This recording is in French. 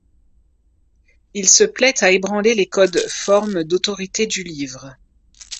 Il se plait à ébranler les codes formes d'autorité du livre.